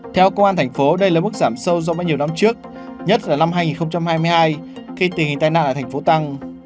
theo công an tp đây là mức giảm sâu do bao nhiêu năm trước nhất là năm hai nghìn hai mươi hai khi tình hình tai nạn ở tp hcm